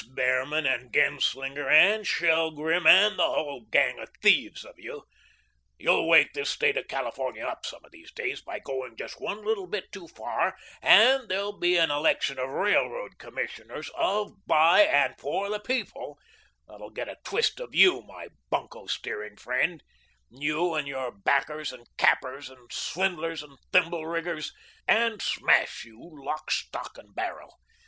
Behrman and Genslinger and Shelgrim and the whole gang of thieves of you you'll wake this State of California up some of these days by going just one little bit too far, and there'll be an election of Railroad Commissioners of, by, and for the people, that'll get a twist of you, my bunco steering friend you and your backers and cappers and swindlers and thimble riggers, and smash you, lock, stock, and barrel.